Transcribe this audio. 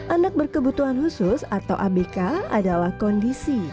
anak berkebutuhan khusus atau abk adalah kondisi